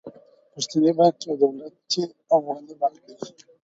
پښتني بانک يو دولتي افغاني بانک دي.